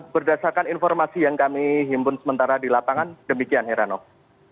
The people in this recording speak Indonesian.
berdasarkan informasi yang kami himpun sementara di lapangan demikian heranov